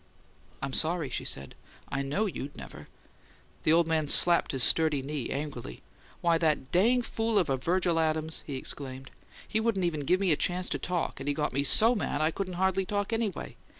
"I'm sorry," she said. "I know you'd never " The old man slapped his sturdy knee, angrily. "Why, that dang fool of a Virgil Adams!" he exclaimed. "He wouldn't even give me a chance to talk; and he got me so mad I couldn't hardly talk, anyway!